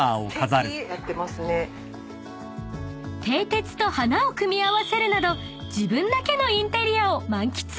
［蹄鉄と花を組み合わせるなど自分だけのインテリアを満喫］